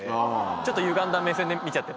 ちょっとゆがんだ目線で見ちゃってて。